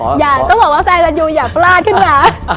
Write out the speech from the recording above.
ไม่ได้อย่าต้องบอกว่าแฟนมันอยู่อย่าประลาดขึ้นหรือ